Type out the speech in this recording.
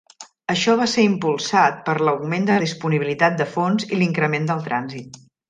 Això va ser impulsat per l'augment de la disponibilitat de fons i l'increment del trànsit.